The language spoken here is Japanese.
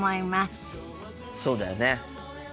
そうだよね。